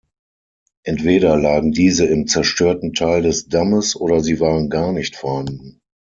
Entweder lagen diese im zerstörten Teil des Dammes, oder sie waren gar nicht vorhanden.